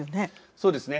そうですね。